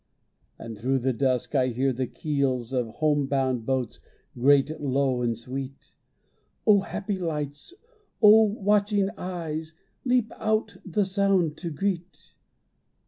And through the dusk I hear the keels Of home bound boats grate low and sweet. O happy lights! O watching eyes! Leap out the sound to greet.